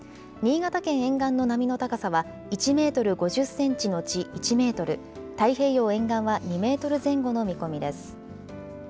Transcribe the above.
新潟県沿岸の波の高さは１メートル５０センチのち１メートル、太平洋沿岸は２メートル前後の見込みです。